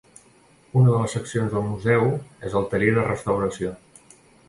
Una de les seccions del museu és el taller de restauració.